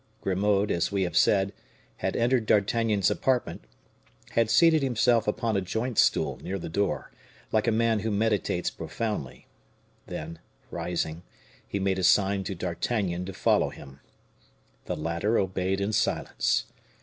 Grimaud, as we have said, had entered D'Artagnan's apartment, had seated himself upon a joint stool near the door, like a man who meditates profoundly; then, rising, he made a sign to D'Artagnan to follow him. The latter obeyed in silence.